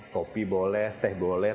kopi boleh teh boleh